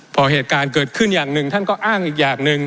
พอเหตุการณ์เกิดขึ้นอย่างหนึ่งท่านก็อ้างอีกอย่างหนึ่ง